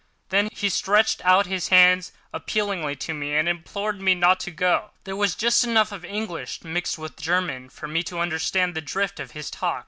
Then he stretched out his hands appealingly to me, and implored me not to go. There was just enough of English mixed with the German for me to understand the drift of his talk.